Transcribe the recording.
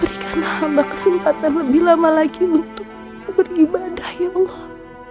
berikan tambah kesempatan lebih lama lagi untuk beribadah ya allah